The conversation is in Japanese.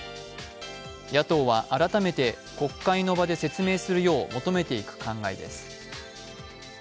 野党は改めて国会の場で説明するよう求めていく考えです。